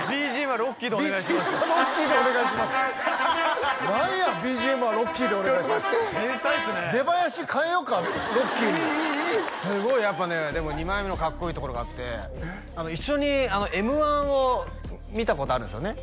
ロッキーにいいいいいいすごいやっぱねでも二枚目のかっこいいところがあって一緒に「Ｍ−１」を見たことあるんですよね？